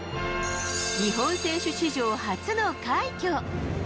日本選手史上初の快挙。